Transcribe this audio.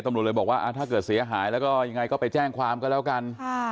ถ้าเกิดเสียหายยังไงก็ไปแจ้งความก็แล้วกัน